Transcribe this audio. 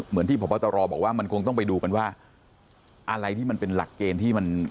ที่พบตรบอกว่ามันคงต้องไปดูกันว่าอะไรที่มันเป็นหลักเกณฑ์ที่มัน